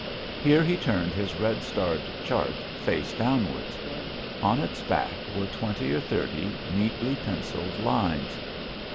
Here he turned his red starred chart face downwards. On its back were twenty or thirty neatly pencilled lines.